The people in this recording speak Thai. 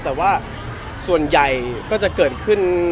แต่ว่าส่วนใหญ่ก็จะเกิดขึ้น